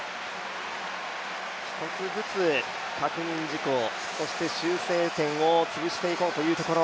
１つずつ確認事項、そして修正点を潰していこうというところ。